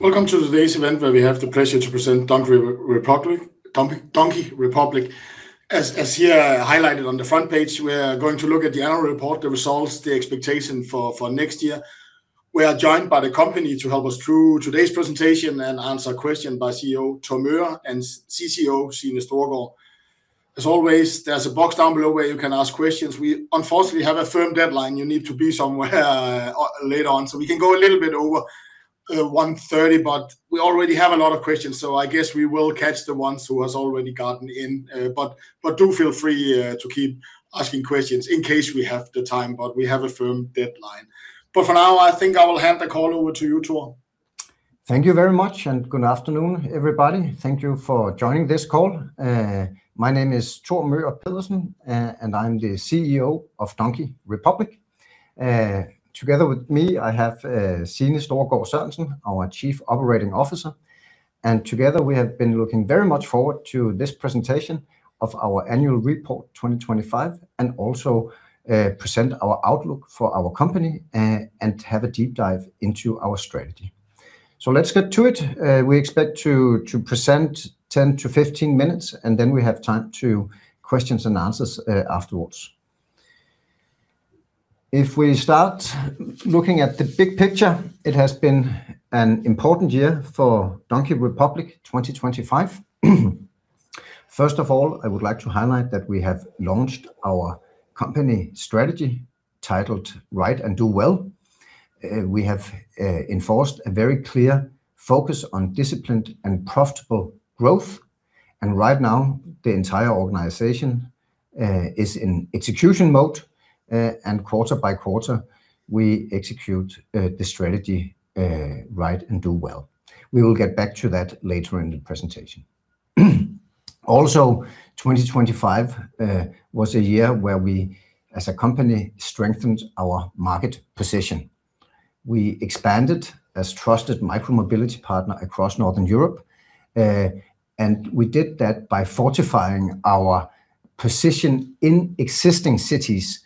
Welcome to today's event where we have the pleasure to present Donkey Republic. As here highlighted on the front page, we are going to look at the annual report, the results, the expectation for next year. We are joined by the company to help us through today's presentation and answer question by CEO Thor Möger and COO Signe Storgaard. As always, there's a box down below where you can ask questions. We unfortunately have a firm deadline. You need to be somewhere later on, so we can go a little bit over 1:30, but we already have a lot of questions, so I guess we will catch the ones who has already gotten in. Do feel free to keep asking questions in case we have the time, but we have a firm deadline. For now, I think I will hand the call over to you, Thor. Thank you very much, and good afternoon, everybody. Thank you for joining this call. My name is Thor Møger Pedersen, and I'm the CEO of Donkey Republic. Together with me, I have Signe Storgaard Sørensen, our Chief Operating Officer. Together, we have been looking very much forward to this presentation of our annual report 2025, and also present our outlook for our company and have a deep dive into our strategy. Let's get to it. We expect to present 10-15 minutes, and then we have time to questions and answers, afterwards. If we start looking at the big picture, it has been an important year for Donkey Republic 2025. First of all, I would like to highlight that we have launched our company strategy titled Ride and Do Well. We have enforced a very clear focus on disciplined and profitable growth, and right now the entire organization is in execution mode, and quarter by quarter we execute the strategy, Ride and Do Well. We will get back to that later in the presentation. Also, 2025 was a year where we as a company strengthened our market position. We expanded as trusted micromobility partner across Northern Europe, and we did that by fortifying our position in existing cities.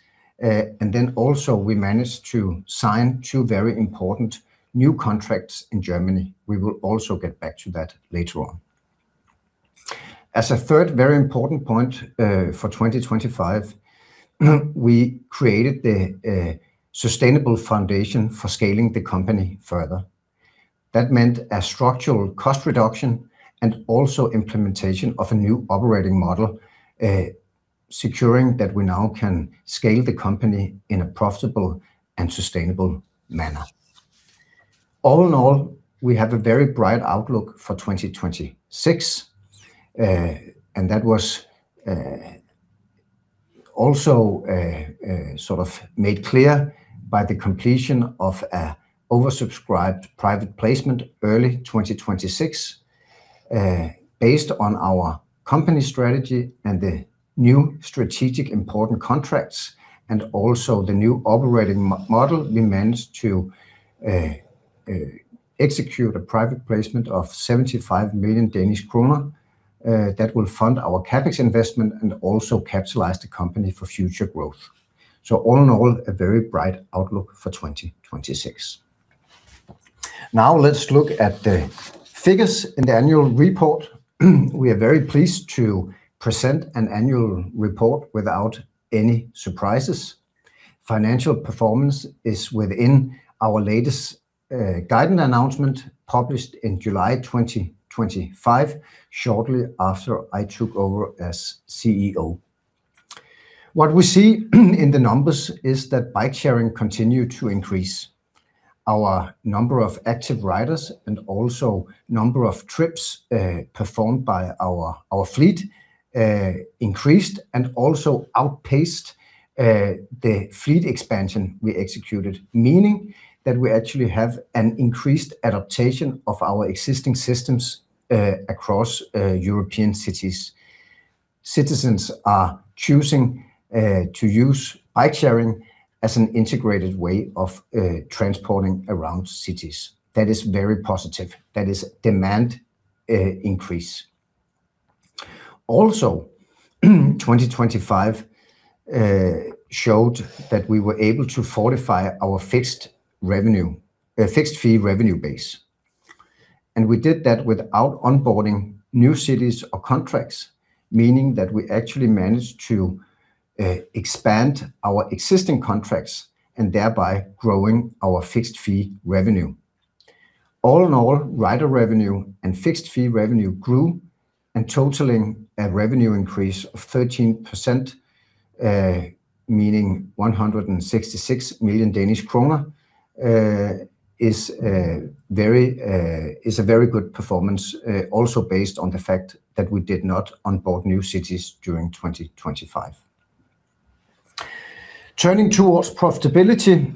Also we managed to sign two very important new contracts in Germany. We will also get back to that later on. As a third very important point, for 2025, we created the sustainable foundation for scaling the company further. That meant a structural cost reduction and also implementation of a new operating model, securing that we now can scale the company in a profitable and sustainable manner. All in all, we have a very bright outlook for 2026, and that was also sort of made clear by the completion of an oversubscribed private placement early 2026. Based on our company strategy and the new strategic important contracts and also the new operating model, we managed to execute a private placement of 75 million Danish kroner that will fund our CapEx investment and also capitalize the company for future growth. All in all, a very bright outlook for 2026. Now let's look at the figures in the annual report. We are very pleased to present an annual report without any surprises. Financial performance is within our latest guidance announcement published in July 2025, shortly after I took over as CEO. What we see in the numbers is that bike sharing continued to increase. Our number of active riders and also number of trips performed by our fleet increased and also outpaced the fleet expansion we executed, meaning that we actually have an increased adoption of our existing systems across European cities. Citizens are choosing to use bike sharing as an integrated way of transporting around cities. That is very positive. That is demand increase. Also, 2025 showed that we were able to fortify our fixed fee revenue base. We did that without onboarding new cities or contracts, meaning that we actually managed to expand our existing contracts and thereby growing our fixed fee revenue. All in all, rider revenue and fixed fee revenue grew and totaling a revenue increase of 13%, meaning 166 million Danish kroner is a very good performance, also based on the fact that we did not onboard new cities during 2025. Turning towards profitability.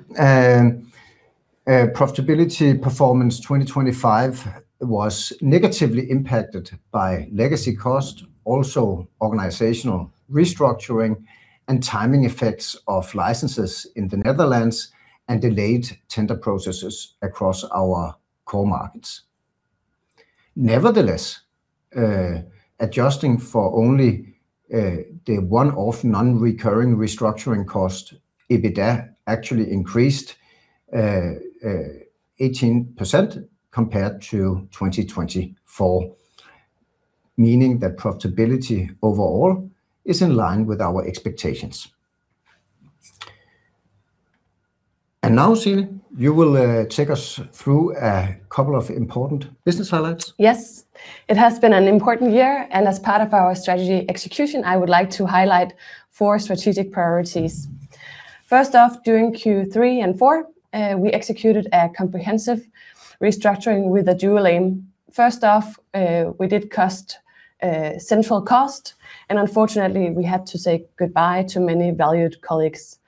Profitability performance 2025 was negatively impacted by legacy cost, also organizational restructuring and timing effects of licenses in the Netherlands and delayed tender processes across our core markets. Nevertheless, adjusting for only the one-off non-recurring restructuring cost, EBITDA actually increased 18% compared to 2024, meaning that profitability overall is in line with our expectations. Now, Signe, you will take us through a couple of important business highlights. Yes. It has been an important year, and as part of our strategy execution, I would like to highlight four strategic priorities. First off, during Q3 and Q4, we executed a comprehensive restructuring with a dual aim. First off, we did cost centralization, and unfortunately, we had to say goodbye to many valued colleagues.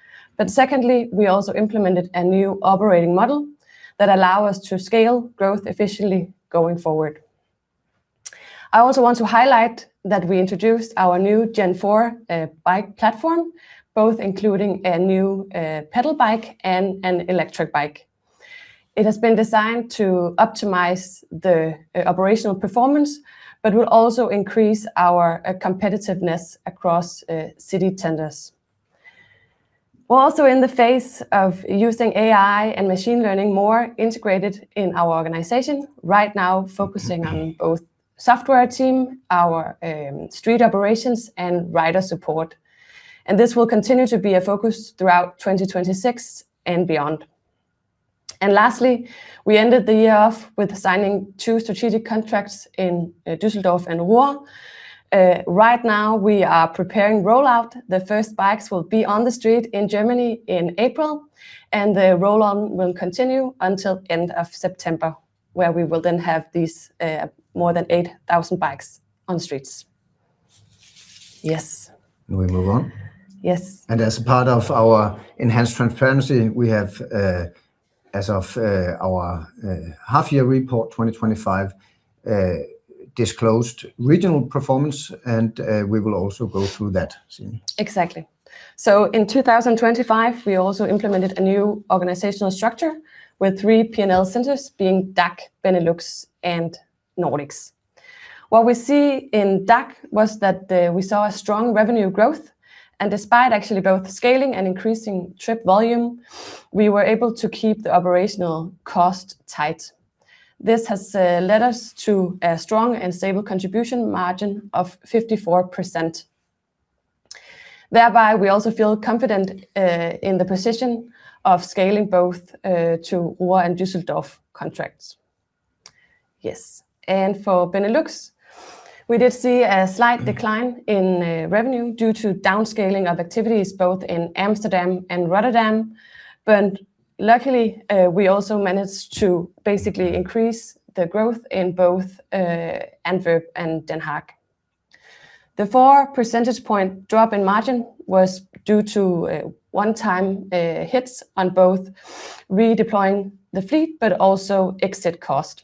Secondly, we also implemented a new operating model that allow us to scale growth efficiently going forward. I also want to highlight that we introduced our new Gen4 bike platform, both including a new pedal bike and an electric bike. It has been designed to optimize the operational performance, but will also increase our competitiveness across city tenders. We're also in the phase of using AI and machine learning more integrated in our organization, right now focusing on both software team, our street operations, and rider support. This will continue to be a focus throughout 2026 and beyond. Lastly, we ended the year off with signing two strategic contracts in Düsseldorf and Ruhr. Right now, we are preparing rollout. The first bikes will be on the street in Germany in April, and the rollout will continue until end of September, where we will then have these more than 8,000 bikes on the streets. Yes. We move on. Yes. As part of our enhanced transparency, we have, as of our half-year report 2025, disclosed regional performance, and we will also go through that, Signe. Exactly. In 2025, we also implemented a new organizational structure with three P&L centers being DACH, Benelux, and Nordics. What we see in DACH was that we saw a strong revenue growth, and despite actually both scaling and increasing trip volume, we were able to keep the operational cost tight. This has led us to a strong and stable contribution margin of 54%. Thereby, we also feel confident in the position of scaling both to Ruhr and Düsseldorf contracts. Yes. For Benelux, we did see a slight decline in revenue due to downscaling of activities both in Amsterdam and Rotterdam. But luckily, we also managed to basically increase the growth in both Antwerp and The Hague. The 4 percentage point drop in margin was due to a one-time hits on both redeploying the fleet but also exit cost.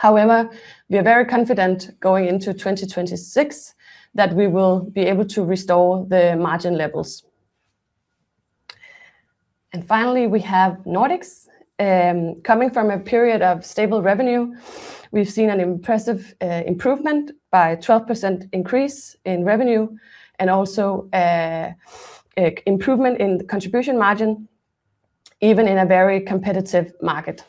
However, we are very confident going into 2026 that we will be able to restore the margin levels. Finally, we have Nordics. Coming from a period of stable revenue, we've seen an impressive improvement by 12% increase in revenue and also improvement in the contribution margin, even in a very competitive market.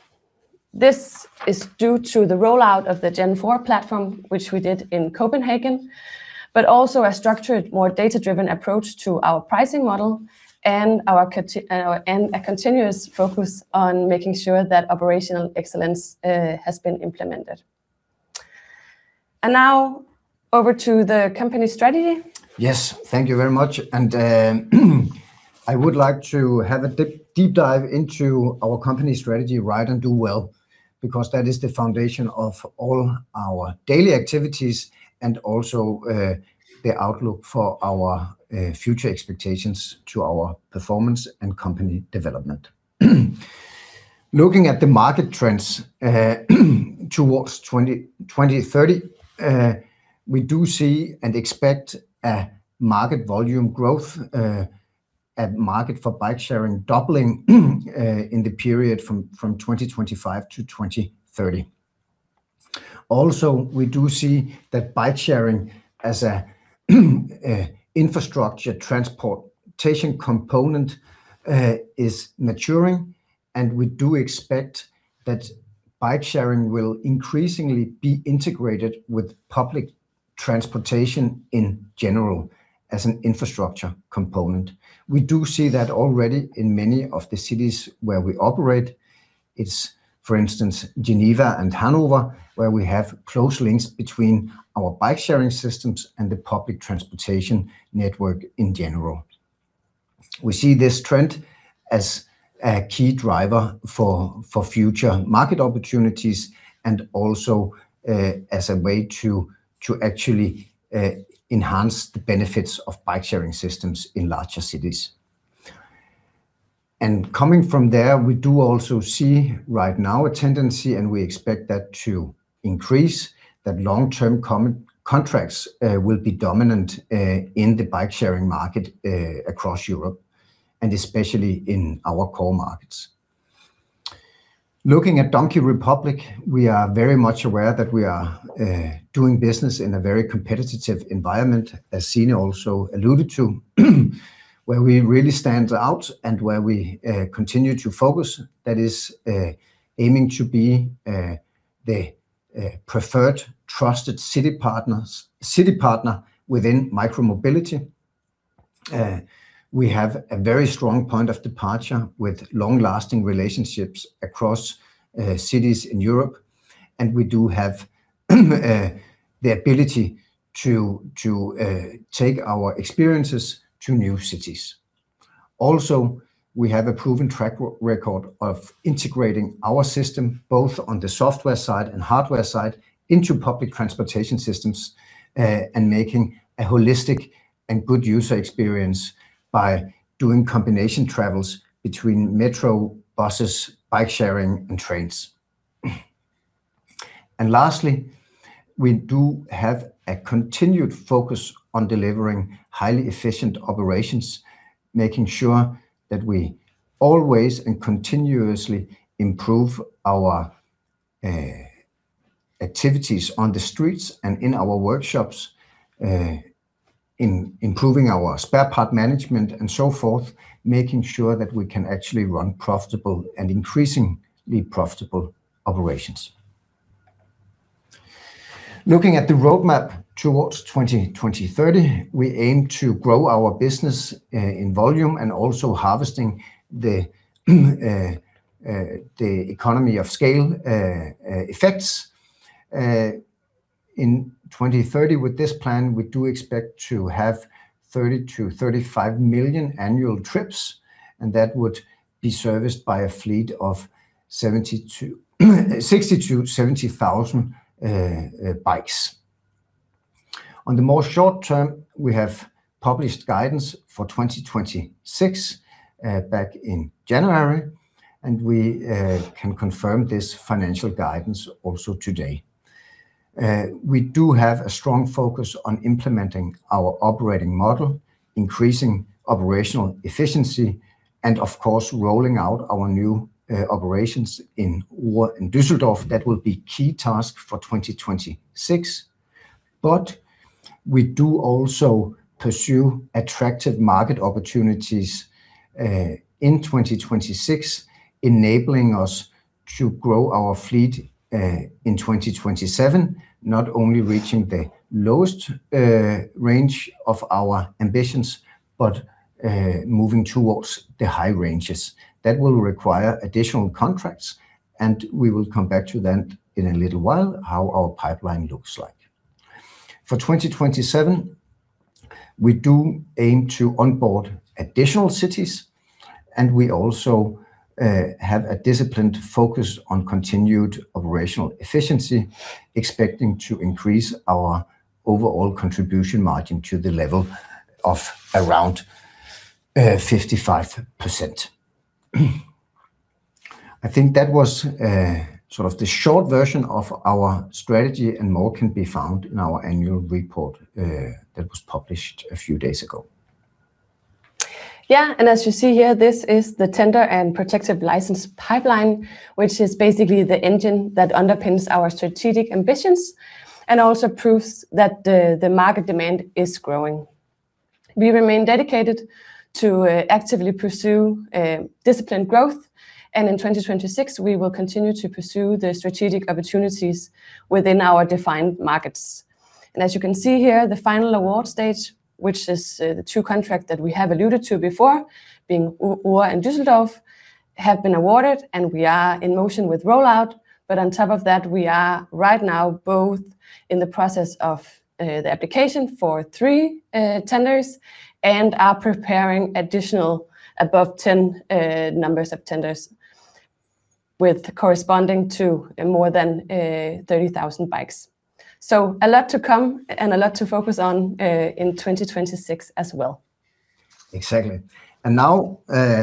This is due to the rollout of the Gen4 platform, which we did in Copenhagen, but also a structured, more data-driven approach to our pricing model and a continuous focus on making sure that operational excellence has been implemented. Now over to the company strategy. Yes. Thank you very much. I would like to have a deep dive into our company strategy, Ride and Do Well, because that is the foundation of all our daily activities and also the outlook for our future expectations to our performance and company development. Looking at the market trends towards 2030, we do see and expect a market volume growth, a market for bike sharing doubling in the period from 2025-2030. We do see that bike sharing as a infrastructure transportation component is maturing, and we do expect that bike sharing will increasingly be integrated with public transportation in general as an infrastructure component. We do see that already in many of the cities where we operate. It's for instance, Geneva and Hanover, where we have close links between our bike sharing systems and the public transportation network in general. We see this trend as a key driver for future market opportunities and also as a way to actually enhance the benefits of bike sharing systems in larger cities. Coming from there, we do also see right now a tendency, and we expect that to increase, that long-term contracts will be dominant in the bike sharing market across Europe and especially in our core markets. Looking at Donkey Republic, we are very much aware that we are doing business in a very competitive environment, as Signe also alluded to, where we really stand out and where we continue to focus, that is, aiming to be the preferred trusted city partner within micromobility. We have a very strong point of departure with long-lasting relationships across cities in Europe, and we do have the ability to take our experiences to new cities. Also, we have a proven track record of integrating our system, both on the software side and hardware side, into public transportation systems, and making a holistic and good user experience by doing combination travels between metro, buses, bike sharing, and trains. Lastly, we do have a continued focus on delivering highly efficient operations, making sure that we always and continuously improve our activities on the streets and in our workshops, in improving our spare part management and so forth, making sure that we can actually run profitable and increasingly profitable operations. Looking at the roadmap towards 2030, we aim to grow our business in volume and also harnessing the economies of scale effects. In 2030, with this plan, we do expect to have 30-35 million annual trips, and that would be serviced by a fleet of 62,000-70,000 bikes. On the more short term, we have published guidance for 2026 back in January, and we can confirm this financial guidance also today. We do have a strong focus on implementing our operating model, increasing operational efficiency and of course, rolling out our new operations in Ruhr and Düsseldorf. That will be key tasks for 2026. We do also pursue attractive market opportunities in 2026, enabling us to grow our fleet in 2027, not only reaching the lowest range of our ambitions but moving towards the high ranges. That will require additional contracts, and we will come back to that in a little while, how our pipeline looks like. For 2027, we do aim to onboard additional cities, and we also have a disciplined focus on continued operational efficiency, expecting to increase our overall contribution margin to the level of around 55%. I think that was sort of the short version of our strategy, and more can be found in our annual report that was published a few days ago. Yeah. As you see here, this is the tender and protective license pipeline, which is basically the engine that underpins our strategic ambitions and also proves that the market demand is growing. We remain dedicated to actively pursue disciplined growth. In 2026 we will continue to pursue the strategic opportunities within our defined markets. As you can see here, the final award stage, which is the two contracts that we have alluded to before, being Ruhr and Düsseldorf, have been awarded and we are in motion with rollout. On top of that, we are right now both in the process of the application for three tenders and are preparing additional above 10 numbers of tenders with corresponding to more than 30,000 bikes. A lot to come and a lot to focus on in 2026 as well. Exactly. Now,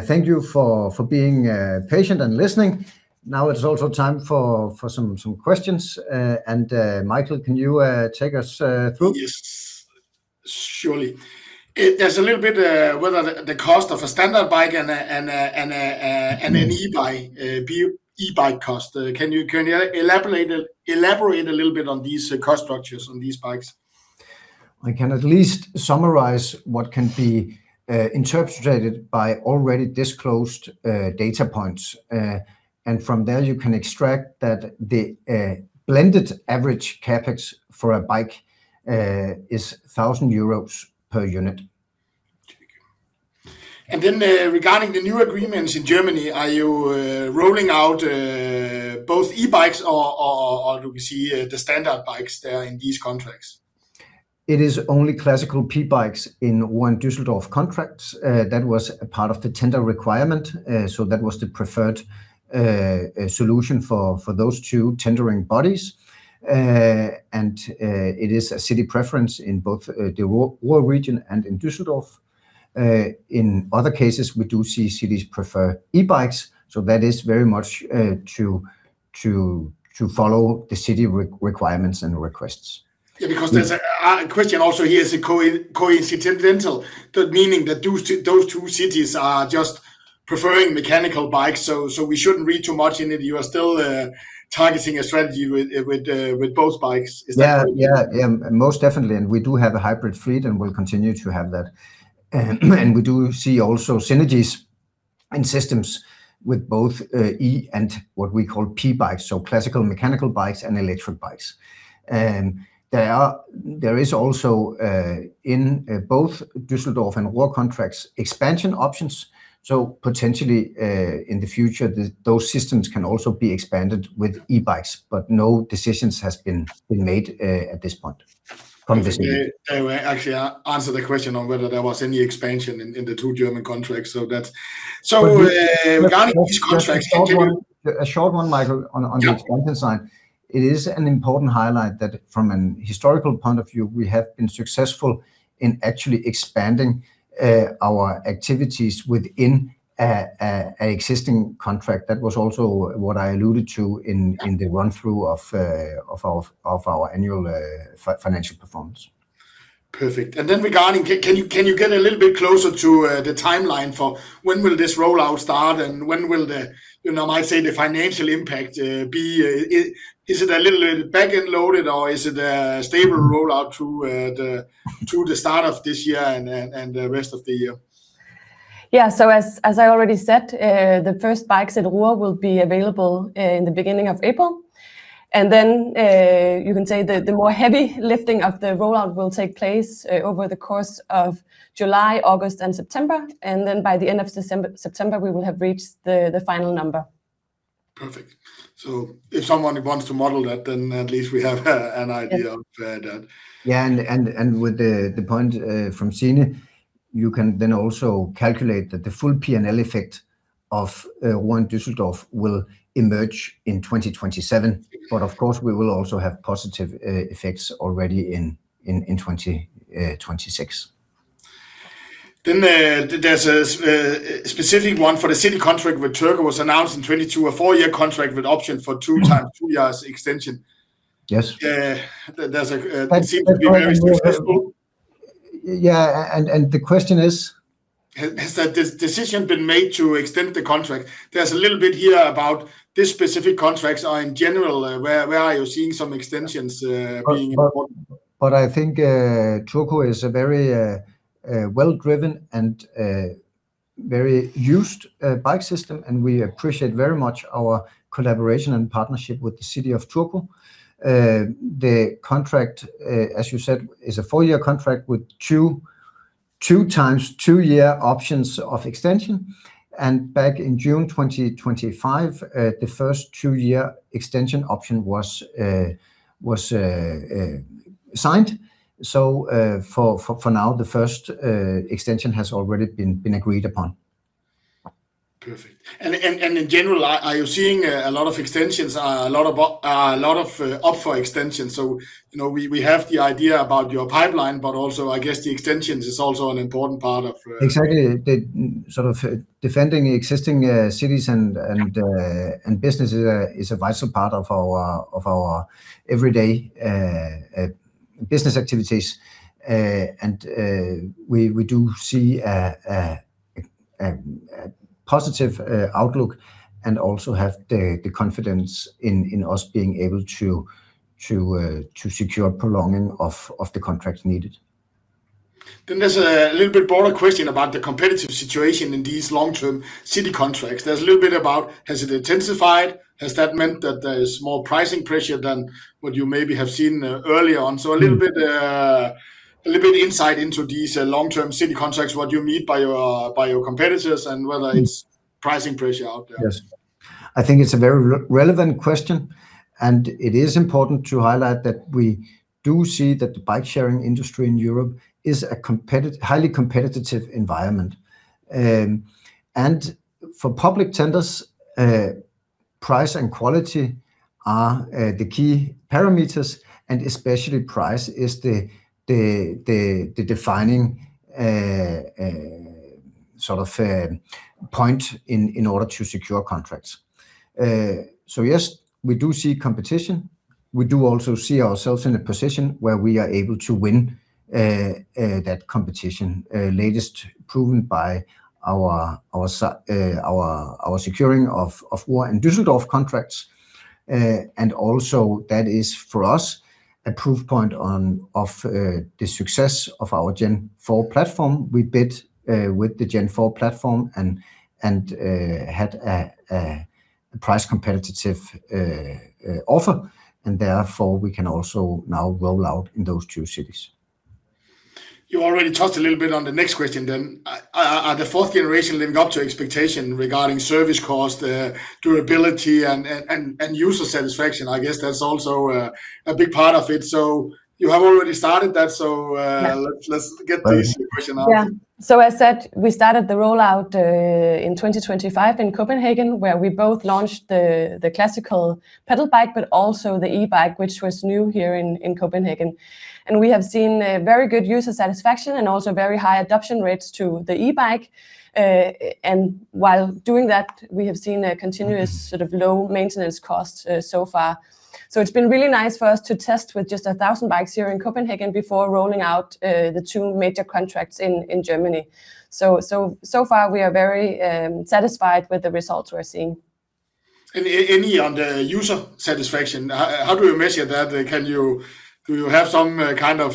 thank you for being patient and listening. Now it's also time for some questions. Michael, can you take us through? Yes. Surely. There's a little bit whether the cost of a standard bike and an e-bike, the e-bike cost. Can you elaborate a little bit on these cost structures on these bikes? I can at least summarize what can be interpreted by already disclosed data points. From there, you can extract that the blended average CapEx for a bike is 1,000 euros per unit. Regarding the new agreements in Germany, are you rolling out both e-bikes or do we see the standard bikes there in these contracts? It is only classic pedal bikes in one Düsseldorf contract. That was a part of the tender requirement, so that was the preferred solution for those two tendering bodies. It is a city preference in both the Ruhr region and in Düsseldorf. In other cases, we do see cities prefer e-bikes, so that is very much to follow the city requirements and requests. Yeah, because there's a question also here, is it coincidental, that, meaning that those two cities are just preferring mechanical bikes, so we shouldn't read too much into it. You are still targeting a strategy with both bikes. Is that correct? Yeah. Yeah, most definitely, we do have a hybrid fleet, and we'll continue to have that. We do see also synergies in systems with both, e and what we call pedal bikes, so classical mechanical bikes and electric bikes. There is also in both Düsseldorf and Ruhr contracts expansion options, so potentially in the future, those systems can also be expanded with e-bikes, but no decisions has been made at this point from this meeting. Actually, I answered the question on whether there was any expansion in the two German contracts. But just. Regarding these contracts, can you? Just a short one, Michael, on this design. Yeah. It is an important highlight that from an historical point of view, we have been successful in actually expanding our activities within an existing contract. That was also what I alluded to in the run-through of our annual financial performance. Perfect. Regarding, can you get a little bit closer to the timeline for when will this rollout start, and when will the, you know, I might say, the financial impact be? Is it a little back-loaded, or is it a stable rollout through the start of this year and the rest of the year? Yeah. As I already said, the first bikes at Ruhr will be available in the beginning of April. You can say the more heavy lifting of the rollout will take place over the course of July, August, and September. By the end of September, we will have reached the final number. Perfect. If someone wants to model that, then at least we have an idea of that. With the point from Signe, you can then also calculate that the full P&L effect of one Düsseldorf will emerge in 2027. Of course, we will also have positive effects already in 2026. There's a specific one for the city contract with Turku was announced in 2022, a four-year contract with option for two times. Mm Two years extension. Yes. There's a. That's. It seemed to be very successful. Yeah. The question is? Has the decision been made to extend the contract? There's a little bit here about this specific contracts or in general, where are you seeing some extensions being important? I think Turku is a very well driven and very used bike system, and we appreciate very much our collaboration and partnership with the city of Turku. The contract, as you said, is a four-year contract with two times two-year options of extension, and back in June 2025, the first two-year extension option was signed. For now, the first extension has already been agreed upon. Perfect. In general, are you seeing a lot of extensions, a lot of up for extension? You know, we have the idea about your pipeline, but also, I guess the extensions is also an important part of Exactly. The sort of defending existing cities and businesses is a vital part of our everyday business activities. We do see a positive outlook and also have the confidence in us being able to secure prolonging of the contracts needed. There's a little bit broader question about the competitive situation in these long-term city contracts. There's a little bit about has it intensified? Has that meant that there is more pricing pressure than what you maybe have seen, earlier on? Mm-hmm. A little bit insight into these long-term city contracts, what you mean by your competitors, and whether it's pricing pressure out there. Yes. I think it's a very relevant question, and it is important to highlight that we do see that the bike-sharing industry in Europe is a highly competitive environment. For public tenders, price and quality are the key parameters, and especially price is the defining sort of point in order to secure contracts. Yes, we do see competition. We do also see ourselves in a position where we are able to win that competition, latest proven by our securing of Ruhr and Düsseldorf contracts. Also that is for us a proof point of the success of our Gen4 platform. We bid with the Gen4 platform and had a price competitive offer, and therefore, we can also now roll out in those two cities. You already touched a little bit on the next question then. Are the fourth generation living up to expectation regarding service cost, durability, and user satisfaction? I guess that's also a big part of it. You have already started that, so Yeah Let's get this question out there. Yeah. As said, we started the rollout in 2025 in Copenhagen, where we both launched the classic pedal bike but also the e-bike, which was new here in Copenhagen. We have seen a very good user satisfaction and also very high adoption rates to the e-bike. While doing that, we have seen a continuous sort of low maintenance cost so far. It's been really nice for us to test with just 1,000 bikes here in Copenhagen before rolling out the two major contracts in Germany. So far we are very satisfied with the results we're seeing. Any on the user satisfaction, how do you measure that? Do you have some kind of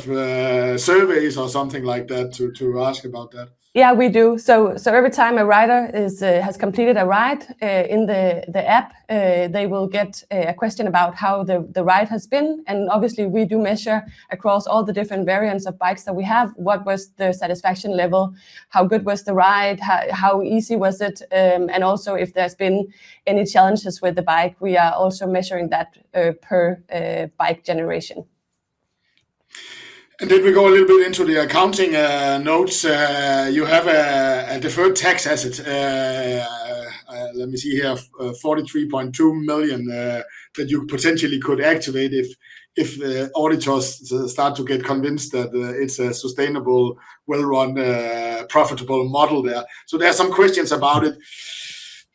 surveys or something like that to ask about that? Yeah, we do. Every time a rider has completed a ride in the app, they will get a question about how the ride has been. Obviously we do measure across all the different variants of bikes that we have, what was the satisfaction level, how good was the ride, how easy was it, and also if there's been any challenges with the bike. We are also measuring that per bike generation. We go a little bit into the accounting notes. You have a deferred tax asset, let me see here, 43.2 million that you potentially could activate if the auditors start to get convinced that it's a sustainable, well-run, profitable model there. There are some questions about it.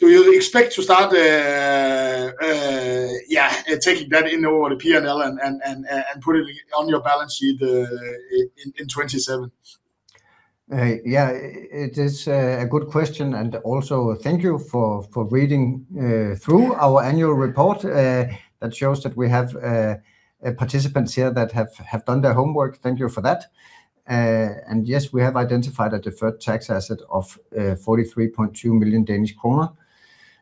Do you expect to start taking that into the P&L and put it on your balance sheet in 2027? Yeah, it is a good question, and also thank you for reading through our annual report that shows that we have participants here that have done their homework. Thank you for that. Yes, we have identified a deferred tax asset of 43.2 million Danish kroner.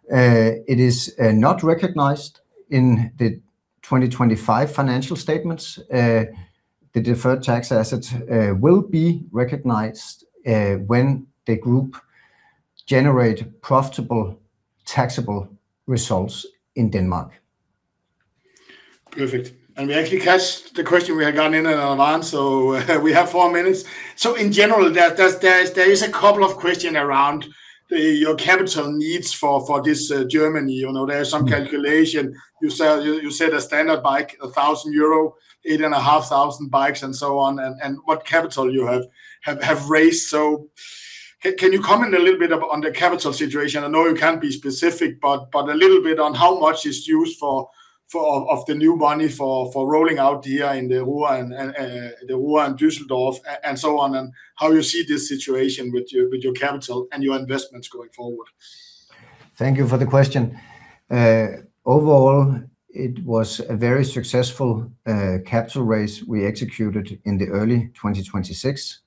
It is not recognized in the 2025 financial statements. The deferred tax assets will be recognized when the group generate profitable taxable results in Denmark. Perfect. We actually catch the question we had gotten in advance, so we have four minutes. In general, there is a couple of questions around your capital needs for this Germany, you know. There are some calculations. You said a standard bike, 1,000 euro, 8,500 bikes and so on, and what capital you have raised. Can you comment a little bit on the capital situation? I know you can't be specific, but a little bit on how much is used for the new money for rolling out here in the Ruhr and Düsseldorf and so on, and how you see this situation with your capital and your investments going forward. Thank you for the question. Overall, it was a very successful capital raise we executed in the early 2026.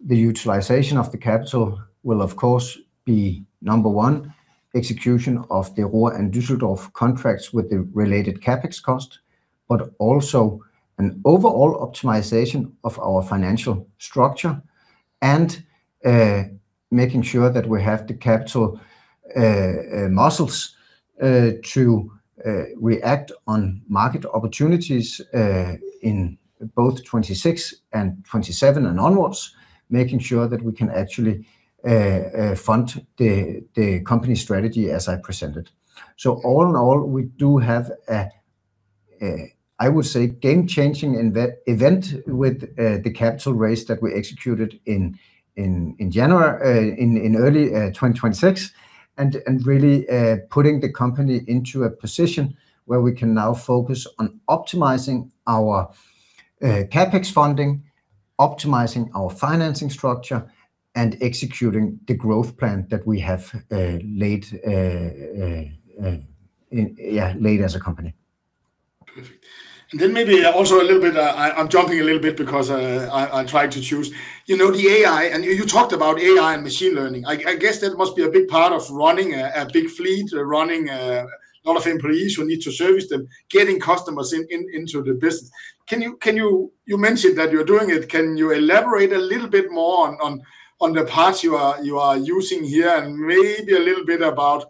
The utilization of the capital will of course be, number one, execution of the Ruhr and Düsseldorf contracts with the related CapEx cost, but also an overall optimization of our financial structure and making sure that we have the capital muscles to react on market opportunities in both 2026 and 2027 and onwards, making sure that we can actually fund the company strategy as I presented. All in all, we do have a I would say, game-changing event with the capital raise that we executed in January in early 2026 and really putting the company into a position where we can now focus on optimizing our CapEx funding, optimizing our financing structure and executing the growth plan that we have laid as a company. Perfect. Maybe also a little bit, I'm jumping a little bit because I tried to choose. You know, the AI, and you talked about AI and machine learning. I guess that must be a big part of running a big fleet, running a lot of employees who need to service them, getting customers into the business. You mentioned that you're doing it, can you elaborate a little bit more on the parts you are using here and maybe a little bit about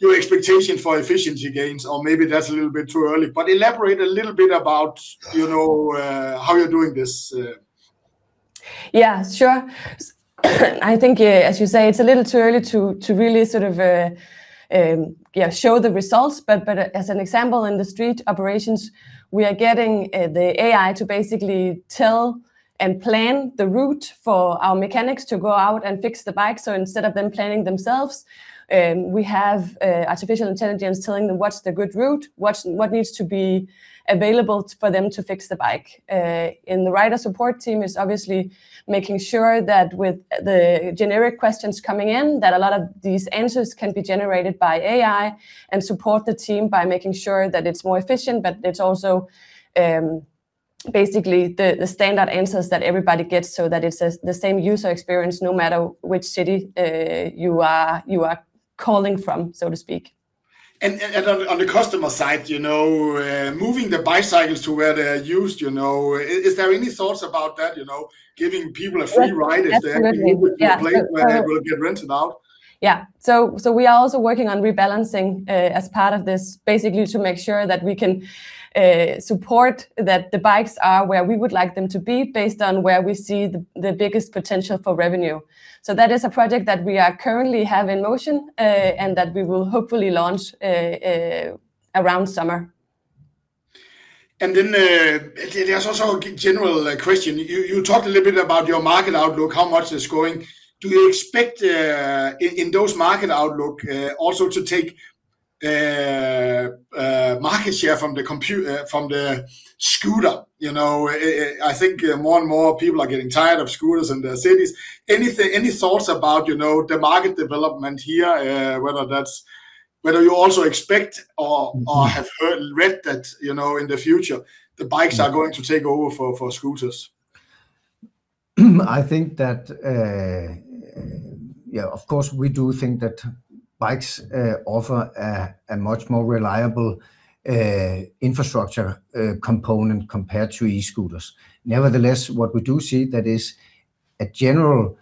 your expectation for efficiency gains, or maybe that's a little bit too early, but elaborate a little bit about, you know, how you're doing this. Yeah, sure. I think, as you say, it's a little too early to really sort of show the results. As an example in the street operations, we are getting the AI to basically tell and plan the route for our mechanics to go out and fix the bike. Instead of them planning themselves, we have artificial intelligence telling them what's the good route, what needs to be available for them to fix the bike. The rider support team is obviously making sure that with the generic questions coming in, that a lot of these answers can be generated by AI and support the team by making sure that it's more efficient, but it's also basically the standard answers that everybody gets so that it's the same user experience no matter which city you are calling from, so to speak. On the customer side, you know, moving the bicycles to where they're used, you know, is there any thoughts about that, you know, giving people a free ride? Absolutely. Yeah. If they happen to be a place where they will get rented out? We are also working on rebalancing as part of this, basically to make sure that we can support that the bikes are where we would like them to be based on where we see the biggest potential for revenue. That is a project that we are currently have in motion, and that we will hopefully launch around summer. There's also a general question. You talked a little bit about your market outlook, how much is going. Do you expect in those market outlook also to take market share from the scooter, you know? I think more and more people are getting tired of scooters in the cities. Anything, any thoughts about, you know, the market development here, whether you also expect or have read that, you know, in the future the bikes are going to take over for scooters? I think that, yeah, of course, we do think that bikes offer a much more reliable infrastructure component compared to e-scooters. Nevertheless, what we do see that is a general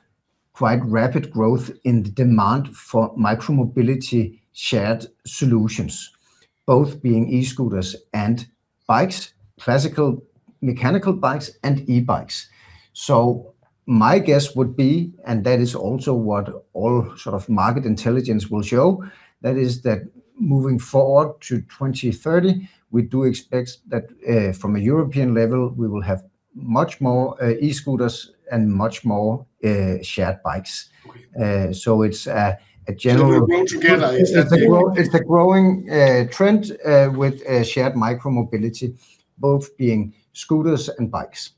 quite rapid growth in the demand for micromobility shared solutions, both being e-scooters and bikes, classical mechanical bikes and e-bikes. My guess would be, and that is also what all sort of market intelligence will show, that is that moving forward to 2030, we do expect that, from a European level, we will have much more e-scooters and much more shared bikes. It's a general. They grow together, is that the It's the growing trend with shared micromobility, both being scooters and bikes.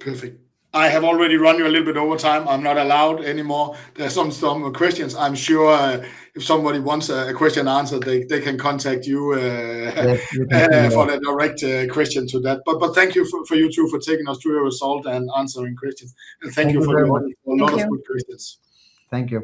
Perfect. I have already run you a little bit over time. I'm not allowed anymore. There's some questions. I'm sure if somebody wants a question answered, they can contact you. Yes. Yeah For that direct question to that. Thank you for you two for taking us through your result and answering questions. Thank you for your. Thank you very much. A lot of good questions. Thank you. Thank you.